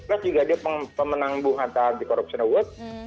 plus juga dia pemenang buhata anti korupsi the world